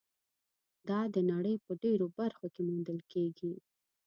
دا د نړۍ په ډېرو برخو کې موندل کېږي.